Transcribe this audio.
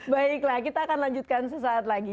baiklah kita akan lanjutkan sesaat lagi